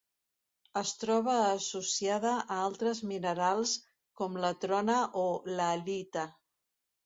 Es troba associada a altres minerals com la trona o l'halita.